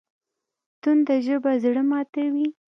تنده ژبه زړه ماتوي